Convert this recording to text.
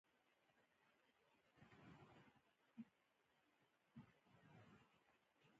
هغه له یوه بوټ جوړوونکي شپږ سنټه قرض کړي وو